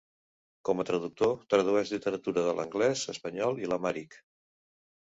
Com a traductor, tradueix literatura de l'anglès, espanyol i l'Amhàric.